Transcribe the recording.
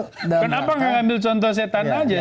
kenapa nggak ambil contoh setan aja setan juga cerdas